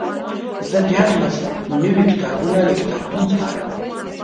زه دیارلس نوي کتابونه له کتابتون څخه راوړم.